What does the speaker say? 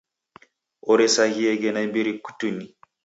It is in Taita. Oresaghieghe naimbiri kutini.